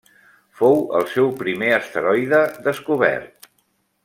Fou el seu primer asteroide descobert.